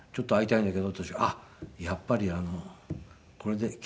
あっやっぱりこれで君